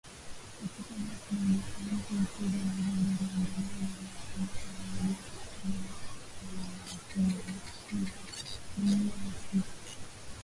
Katika hafla iliyofanyika Ikulu ya Nairobi iliyoandaliwa na Rais Kenyatta mwenyeji wa mkutano wa wakuu wa nchi za Jumuiya ya Afrika Mashariki